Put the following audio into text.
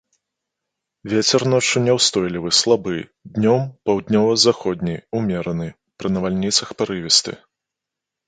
Вецер ноччу няўстойлівы слабы, днём паўднёва-заходні ўмераны, пры навальніцах парывісты.